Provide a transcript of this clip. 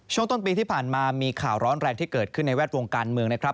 ช่วงต้นปีที่ผ่านมามีข่าวร้อนแรงที่เกิดขึ้นในแวดวงการเมืองนะครับ